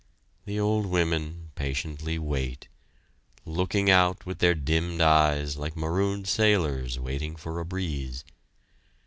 The old women patiently wait, looking out with their dimmed eyes like marooned sailors waiting for a breeze.